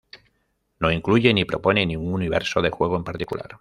No incluye ni propone ningún universo de juego en particular.